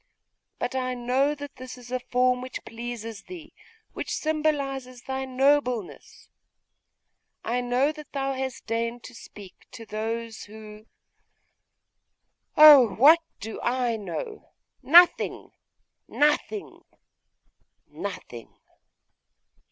But I know that this is a form which pleases thee, which symbolises thy nobleness! T know that thou hast deigned to speak to those who Oh! what do I know? Nothing! nothing! nothing!